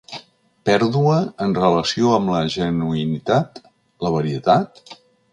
Pèrdua en relació amb la genuïnitat, la varietat…?